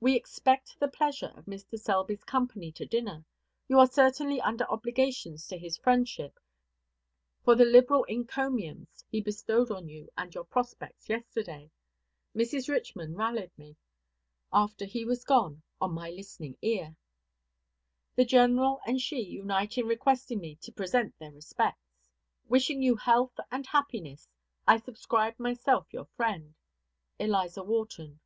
We expect the pleasure of Mr. Selby's company to dinner. You are certainly under obligations to his friendship for the liberal encomiums he bestowed on you and your prospects yesterday. Mrs. Richman rallied me, after he was gone, on my listening ear. The general and she unite in requesting me to present their respects. Wishing you health and happiness, I subscribe myself your friend, ELIZA WHARTON.